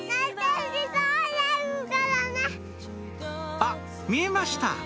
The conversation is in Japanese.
あっ見えました